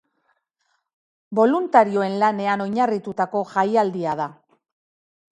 Boluntarioen lanean oinarritutako jaialdia da.